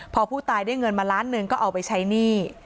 พอผู้ตายได้เงินมาล้านหนึ่งก็เอาไปใช้หนี้